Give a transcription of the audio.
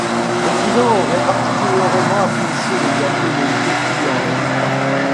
Les clients auraient particulièrement apprécié le gâteau léger qui en résulta.